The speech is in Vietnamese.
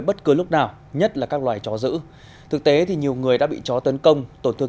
bất cứ lúc nào nhất là các loài chó giữ thực tế thì nhiều người đã bị chó tấn công tổn thương